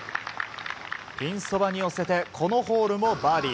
ピンそばに寄せてこのホールもバーディー。